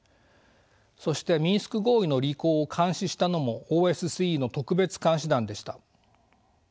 そしてミンスク合意の履行を監視したのもＯＳＣＥの特別監視団でした。